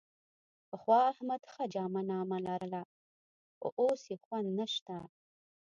پخوا احمد ښه جامه نامه لرله، خو اوس یې خوند نشته.